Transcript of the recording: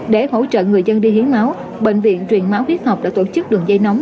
để hỗ trợ người dân đi hiến máu bệnh viện truyền máu huyết học đã tổ chức đường dây nóng